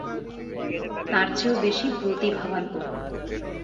তারচেয়েও বেশি প্রতিভাবান ও।